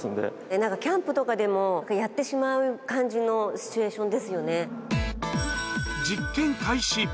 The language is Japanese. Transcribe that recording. なんかキャンプとかでもやってしまう感じのシチュエーション実験開始。